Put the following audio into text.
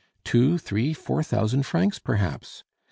"Two, three, four thousand francs, perhaps!